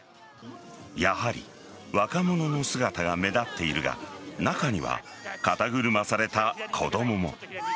やはり若者の姿が目立っているが中には肩車された子供も。